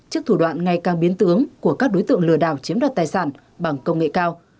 trước thủ đoạn ngày càng biến tướng của các đối tượng lừa đảo chiếm đoạt tài sản bằng công nghệ cao